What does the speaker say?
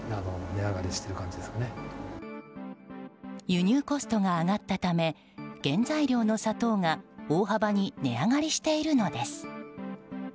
輸入コストが上がったため原材料の砂糖が大幅に値上がりしているのです。